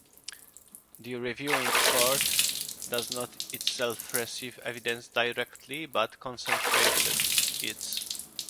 The reviewing court does not itself receive evidence directly but concentrates its